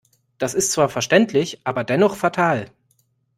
Das ist zwar verständlich, aber dennoch fatal.